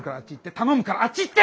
頼むあっち行って！